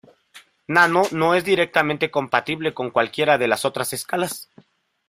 Nano no es directamente compatible con cualquiera de las otras escalas.